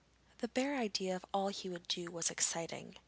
The bare idea of all he would do was exciting.